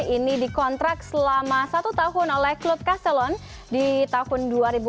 ini dikontrak selama satu tahun oleh klub castellon di tahun dua ribu enam belas